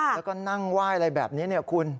แล้วก็นั่งไหว้อะไรแบบนี้เนี่ยคุณ